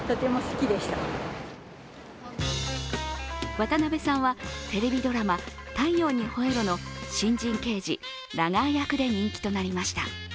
渡辺さんはテレビドラマ「太陽にほえろ！！」の新人刑事、ラガー役で人気となりました。